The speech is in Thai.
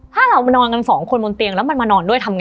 ถ้าเรานอนกันสองคนบนเตียงแล้วมันมานอนด้วยทำไง